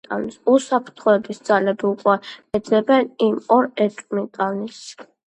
უსაფრთხოების ძალები უკვე ეძებენ იმ ორ ეჭვმიტანილს.